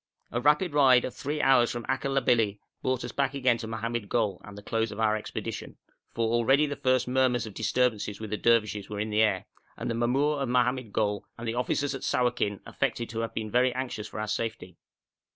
A rapid ride of three hours from Akelabillèh brought us back again to Mohammed Gol and the close of our expedition, for already the first murmurs of disturbances with the Dervishes were in the air, and the mamour of Mohammed Gol and the officers at Sawakin affected to have been very anxious for our safety.